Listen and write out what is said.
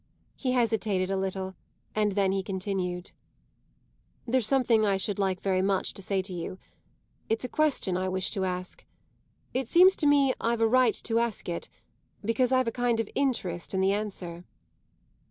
He hesitated a little and then he continued: "There's something I should like very much to say to you. It's a question I wish to ask. It seems to me I've a right to ask it, because I've a kind of interest in the answer."